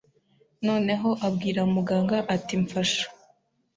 noneho abwira muganga ati mfasha